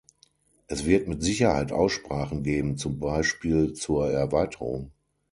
Es wird mit Sicherheit Aussprachen geben, zum Beispiel zur Erweiterung.